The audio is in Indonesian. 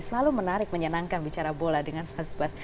selalu menarik menyenangkan bicara bola dengan mas bas